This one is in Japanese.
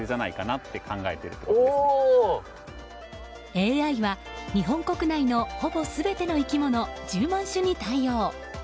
ＡＩは日本国内のほぼ全ての生き物１０万種に対応。